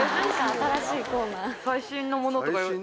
最新のものとか。